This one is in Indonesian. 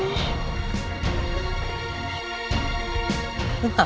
kenapa ngapain disini mas